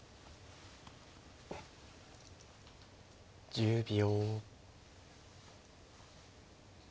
１０秒。